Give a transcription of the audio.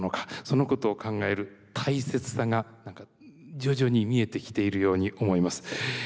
そのことを考える大切さが何か徐々に見えてきているように思います。